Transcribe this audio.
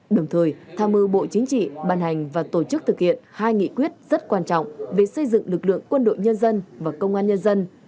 đồng thời tham mưu bộ chính trị ban hành và tổ chức thực hiện hai nghị quyết rất quan trọng về xây dựng lực lượng quân đội nhân dân và công an nhân dân